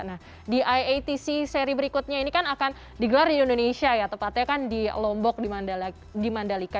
nah di iatc seri berikutnya ini kan akan digelar di indonesia ya tepatnya kan di lombok di mandalika